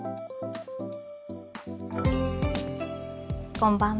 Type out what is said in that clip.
こんばんは。